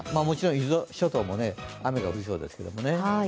もちろん伊豆諸島も雨が降りそうですけどね。